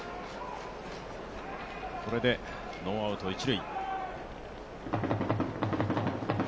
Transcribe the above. これでノーアウト一塁。